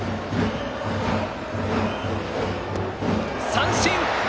三振！